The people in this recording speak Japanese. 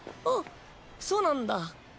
あっそうなんだ。